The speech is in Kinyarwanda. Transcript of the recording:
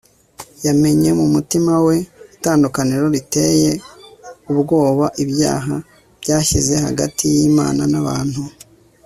yamenye mu mutima we itandukaniro riteyubgoba ibyaha byashyize hagati ylmana nabantu